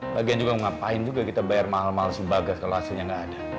lagian juga ngapain juga kita bayar mahal mahal sebagas kalau hasilnya nggak ada